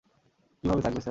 কিভাবে থাকবে, স্যার?